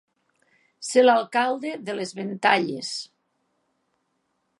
Ser l'alcalde de les Ventalles.